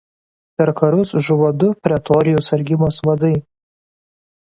Per karus žuvo du Pretorijų sargybos vadai.